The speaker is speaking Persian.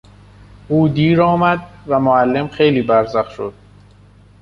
او دیر آمد و معلم خیلی برزخ شد.